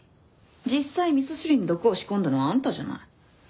実際味噌汁に毒を仕込んだのはあんたじゃない。